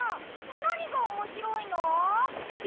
なにがおもしろいの？